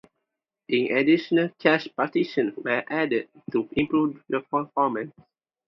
In additional cache partitions were added to improve performance.